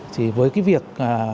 thì với cái việc